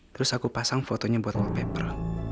terus aku pasang fotonya buat wallpaper